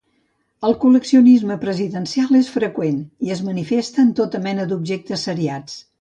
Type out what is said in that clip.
El col·leccionisme presidencial és freqüent i es manifesta en tota mena d'objectes seriats.